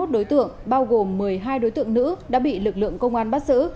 hai mươi đối tượng bao gồm một mươi hai đối tượng nữ đã bị lực lượng công an bắt giữ